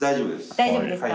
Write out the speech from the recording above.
大丈夫ですか？